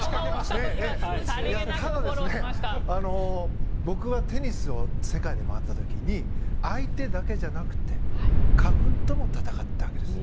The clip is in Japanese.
ただ、僕はテニスで世界で回った時に相手だけじゃなくて花粉とも戦ったわけです。